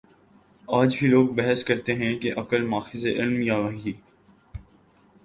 آج بھی لوگ بحث کرتے ہیں کہ عقل ماخذ علم یا وحی؟